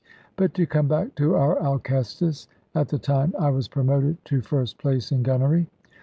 But to come back to our Alcestis, at the time I was promoted to first place in gunnery.